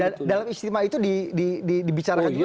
dan dalam istimewa itu dibicarakan juga